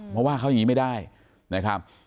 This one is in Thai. ว่าเขายังงี้ไม่ได้นะครับ